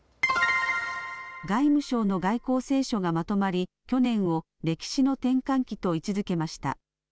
外務省の外交青書がまとまり去年を歴史の転換期と位置づけました。